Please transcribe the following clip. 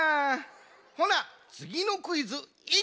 ほなつぎのクイズいくで。